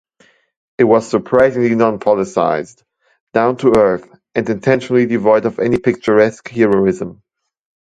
It was surprisingly non-politicized, down-to-earth, and intentionally devoid of any picturesque heroism.